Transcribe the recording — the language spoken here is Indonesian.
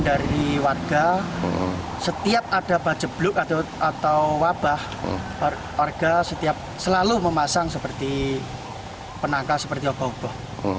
dari warga setiap ada pagebluk atau wabah warga selalu memasang penangkah seperti ogoh ogoh